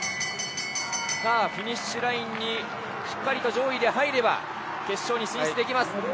フィニッシュラインにしっかりと上位で入れば決勝に進出できます。